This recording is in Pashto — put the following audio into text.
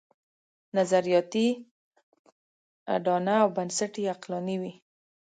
نظریاتي اډانه او بنسټ یې عقلاني وي.